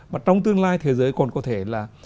mà trong tương lai thế giới còn có thể là